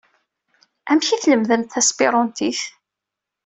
Amek i tlemdemt taspiruntit?